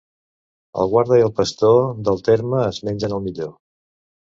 El guarda i el pastor, del terme es mengen el millor.